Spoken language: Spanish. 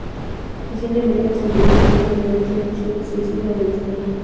Recientemente ha asumido el mando de la edición Business Insider en España.